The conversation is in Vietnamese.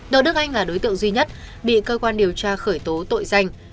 đỗ đức anh là đối tượng duy nhất bị cơ quan điều tra khởi tố tội danh